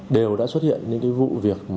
đều đã xuất hiện những vụ việc